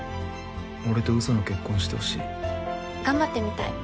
俺とうその結婚してほしい。頑張ってみたい。